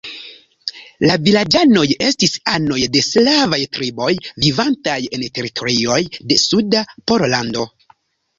La vilaĝanoj estis anoj de slavaj triboj, vivantaj en teritorioj de suda Pollando.